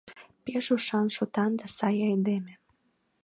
Пеш ушан-шотан да сай айдеме!